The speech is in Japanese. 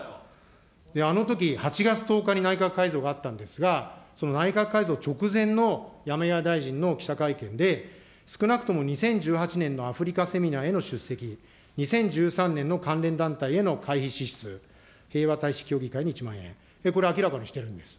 あのとき、８月１０日に内閣改造があったんですが、その内閣改造直前の山際大臣の記者会見で、少なくとも２０１８年のアフリカセミナーへの出席、２０１３年の関連団体への会費支出、平和大使協議会に１万円、これ明らかにしてるんです。